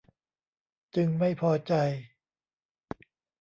จึงไม่พอใจ